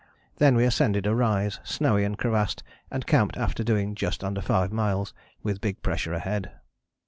Then we ascended a rise, snowy and crevassed, and camped after doing just under five miles, with big pressure ahead."